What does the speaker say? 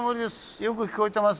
よく聞こえてます。